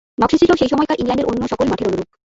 নকশা ছিল সেই সময়কার ইংল্যান্ডের অন্য সকল মাঠের অনুরূপ।